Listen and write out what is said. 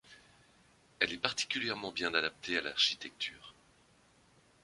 Elle est particulièrement bien adaptée à l'architecture.